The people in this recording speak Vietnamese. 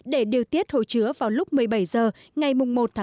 để điều tiết hồ chứa vào lúc một mươi bảy h ngày một một mươi hai hai nghìn một mươi sáu